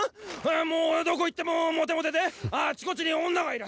もうどこいってもモテモテでーあちこちに女がいる！